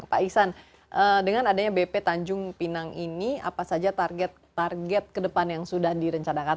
pak iksan dengan adanya bp tanjung pinang ini apa saja target target kedepan yang sudah direncanakan